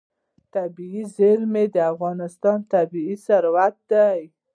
طبیعي زیرمې د افغانستان طبعي ثروت دی.